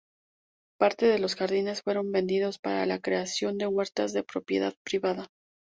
Parte de los jardines fueron vendidos para la creación de huertas de propiedad privada.